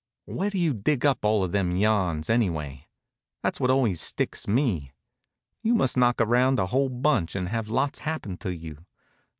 Where do you dig up all of them yarns, anyway? That's what always sticks me. You must knock around a whole bunch, and have lots happen to you.